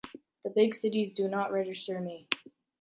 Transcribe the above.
The big cities do not register me.